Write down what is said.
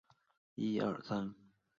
是练习书法的重要基本功。